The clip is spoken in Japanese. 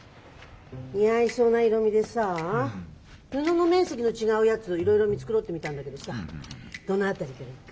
似合いそうな色味でさあ布の面積の違うやついろいろ見繕ってみたんだけどさあどの辺りからいく？